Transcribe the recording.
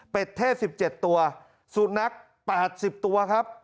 เป็นเทศ๑๗ตัวสุนัข๘๐ตัวครับ